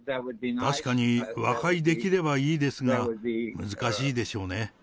確かに和解できればいいですが、難しいでしょうね。